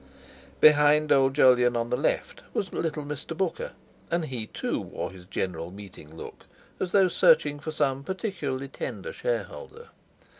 Beyond old Jolyon on the left was little Mr. Booker, and he, too, wore his General Meeting look, as though searching for some particularly tender shareholder.